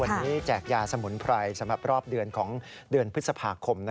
วันนี้แจกยาสมุนไพรสำหรับรอบเดือนของเดือนพฤษภาคม